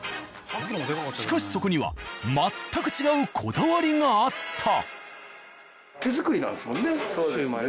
しかしそこには全く違うこだわりがあった。